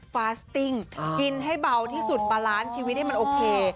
ฟาสติ้งกินให้เบาที่สุดบาลานซ์ชีวิตให้มันโอเค